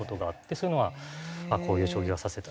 そういうのはこういう将棋が指せたらなと。